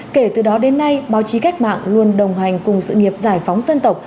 kể từ đó đến nay báo chí cách mạng luôn đồng hành cùng sự nghiệp giải phóng dân tộc